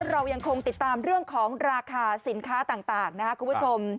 เรายังคงติดตามเรื่องของราคาสินค้าต่างนะครับคุณผู้ชม